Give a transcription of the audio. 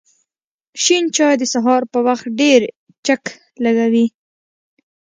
شین چای د سهار په وخت ډېر چک لږوی